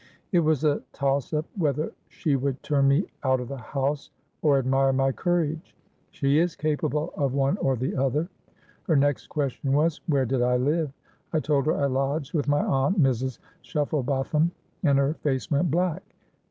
'It was a toss up whether she would turn me out of the house or admire my courage: she is capable of one or the other. Her next question was, where did I live? I told her I lodged with my aunt, Mrs. Shufflebotham; and her face went black.